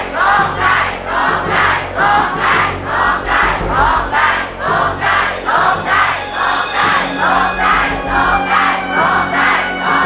ร้องได้ร้องได้ร้องได้ร้องได้